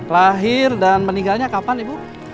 lahir dan meninggalnya kapan ibu